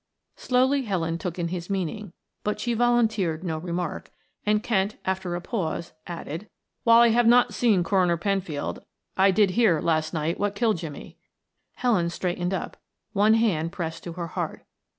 Slowly Helen took in his meaning, but she volunteered no remark, and Kent after a pause, added, "While I have not seen Coroner Penfield I did hear last night what killed Jimmie." Helen straightened up, one hand pressed to her heart.